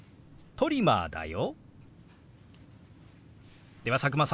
トリマーだよ。